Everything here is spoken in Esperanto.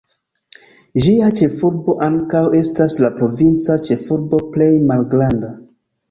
Ĝia ĉefurbo ankaŭ estas la provinca ĉefurbo plej malgranda.